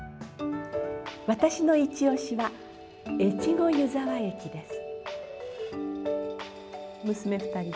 わたしのいちオシは越後湯沢駅です。